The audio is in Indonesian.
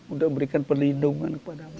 untuk memberikan perlindungan kepada manusia